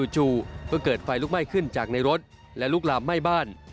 จู่ก็เกิดไฟลุกไหม้ขึ้นจากในรถและลุกลามไหม้บ้าน